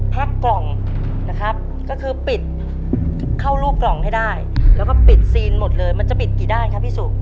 กล่องนะครับก็คือปิดเข้าลูกกล่องให้ได้แล้วก็ปิดซีนหมดเลยมันจะปิดกี่ด้านครับพี่สุ